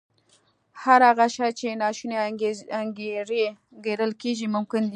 هر هغه شی چې ناشونی انګېرل کېږي ممکن دی